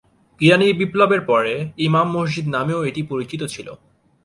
ইরানি বিপ্লবের পরে "ইমাম মসজিদ "নামেও এটি পরিচিত ছিল।